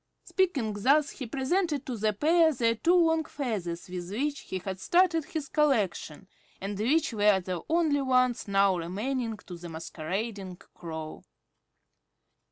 '" Speaking thus, he presented to the pair their two long feathers with which he had started his collection and which were the only ones now remaining to the masquerading Crow.